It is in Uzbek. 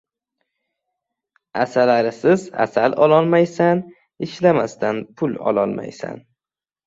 • Asalarisiz asal ololmaysan, ishlamasdan pul ololmaysan.